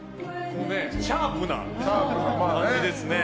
シャープな感じですね。